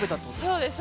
そうです。